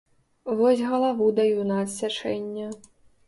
Вось галаву даю на адсячэнне!